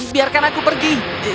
biarkan aku pergi